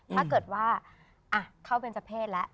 ถ้าเกิดว่าเข้าเป็นเจ้าเพศแล้ว